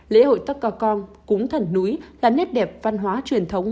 lễ hội tất cả con cúng thần núi là nét đẹp văn hóa truyền thống